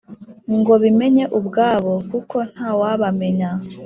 . Ngo bimenye ubwabo kuko ntawabamenya